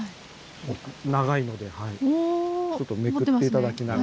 長いのでちょっとめくって頂きながら。